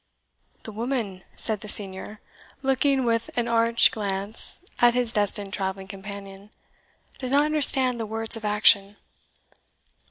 "The woman," said the senior, looking with an arch glance at his destined travelling companion, "does not understand the words of action.